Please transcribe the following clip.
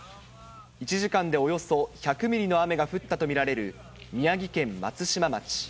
１時間でおよそ１００ミリの雨が降ったと見られる宮城県松島町。